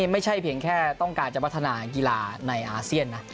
ไม่ใช่เพียงแค่ต้องการจะพัฒนากีฬาในอาเซียนนะ